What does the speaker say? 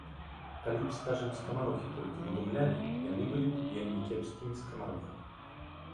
Калі б, скажам, скамарохі толькі выдумлялі, яны былі б вельмі кепскімі скамарохамі.